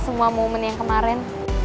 semua momen yang kemarin